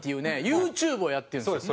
ユーチューブをやってるんですよ。